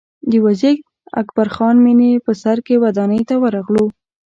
د وزیر اکبر خان مېنې په سر کې ودانۍ ته ورغلو.